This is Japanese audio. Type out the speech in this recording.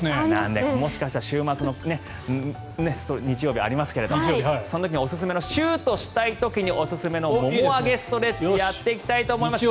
もしかしたら週末の日曜日ありますけどそんな時におすすめのシュートしたい時におすすめのもも上げストレッチをやっていきたいと思います。